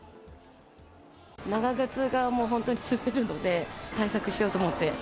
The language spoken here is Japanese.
長靴がもう本当に滑るので、対策しようと思って。